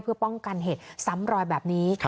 เพื่อป้องกันเหตุซ้ำรอยแบบนี้